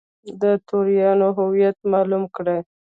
د توریانو هویت معلوم کړي.